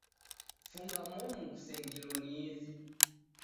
Funga momu kusengilo ni izi